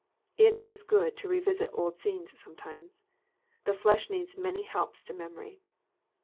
It is good to revisit old scenes sometimes. The flesh needs many helps to memory.